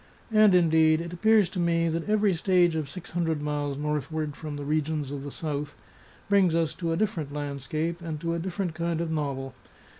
And, indeed, it appears to me that every stage of six hundred miles northward from the regions of the South brings us to a different landscape, and to a different kind of novel.